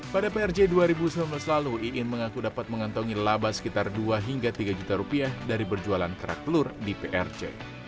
pada prj dua ribu sembilan belas lalu iin mengaku dapat mengantongi laba sekitar dua hingga tiga juta rupiah dari berjualan kerak telur di prj